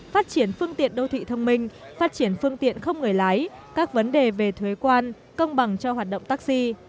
phát triển phương tiện đô thị thông minh phát triển phương tiện không người lái các vấn đề về thuế quan công bằng cho hoạt động taxi